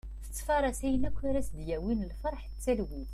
Tettfaras ayen akk ara as-d-yawin lferḥ d talwit.